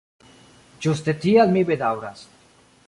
Ĝuste tial mi bedaŭras.